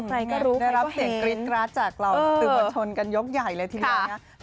ได้รับเสียงกริ๊ดกราทจากเราจากตึกผ่านชนยกใหญ่เทียบเลย